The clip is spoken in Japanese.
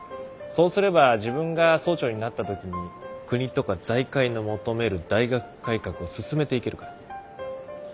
そうすれば自分が総長になった時に国とか財界の求める大学改革を進めていけるから。